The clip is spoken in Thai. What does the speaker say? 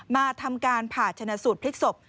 มาทำการผ่าชนะสูตรพลิกศพ